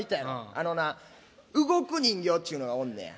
あのな動く人形っちゅうのがおんねや。